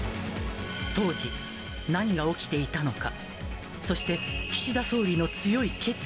当時、何が起きていたのか。